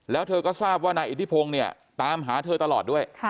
แล้วเธอก็ทราบว่านายอิทธิพงศ์เนี่ยตามหาเธอตลอดด้วย